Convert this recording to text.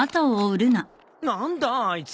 何だあいつ。